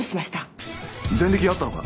前歴があったのか？